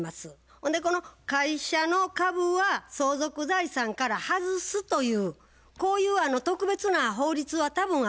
ほんでこの会社の株は相続財産から外すというこういう特別な法律は多分あると思うんですよ。